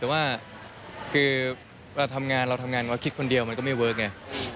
แต่ว่าคือทำงานเราทำงานเราคิดคนเดียวมันก็ไม่เวิร์คไง